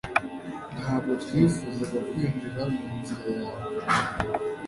ntabwo twifuzaga kwinjira mu nzira yawe